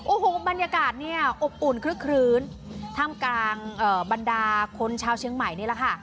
โอ้โหบรรยากาศเนี่ยอบอุ่นคลึกคลื้นท่ามกลางบรรดาคนชาวเชียงใหม่นี่แหละค่ะ